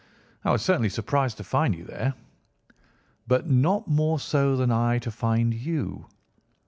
"I was certainly surprised to find you there." "But not more so than I to find you."